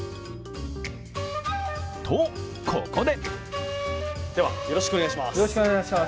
と、ここで！